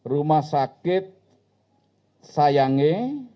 rumah sakit sayangge